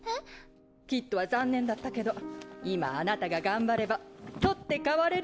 キッドは残念だったけど今あなたが頑張れば取って代われる！